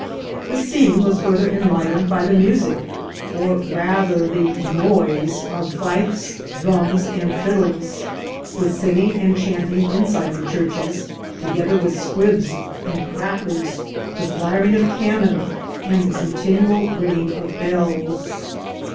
The scene was further enlivened by the music, or rather the noise, of fifes, drums, and fiddles, with singing and chanting inside the churches, together with squibs and crackers, the firing of cannon, and the continual ringing of bells.